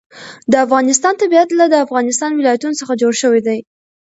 د افغانستان طبیعت له د افغانستان ولايتونه څخه جوړ شوی دی.